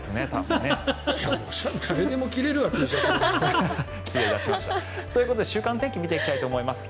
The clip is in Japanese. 誰でも着れるわ。ということで週間の天気見ていきたいと思います。